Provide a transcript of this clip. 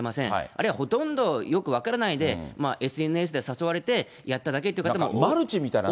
あるいはほとんど、よく分からないで、ＳＮＳで誘われてやっただマルチみたいな。